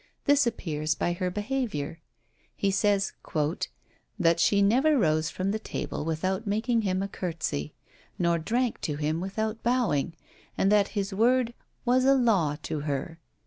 This appears by her behaviour. He says, "that she never rose from table without making him a curtsey, nor drank to him without bowing, and that his word was a law to her."